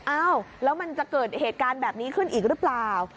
อ้าวแล้วมันจะเกิดเหตุการณ์แบบนี้ขึ้นอีกหรือเปล่า